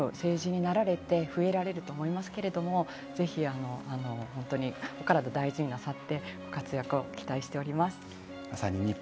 なので、これからもご公務、成人になられて増えられると思いますけれども、ぜひお体をお大事になさって、ご活躍を期待しております。